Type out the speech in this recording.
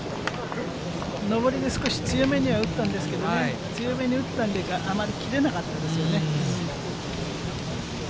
上りで少し強めには打ったんですけどね、強めに打ったんで、あまり切れなかったですよね。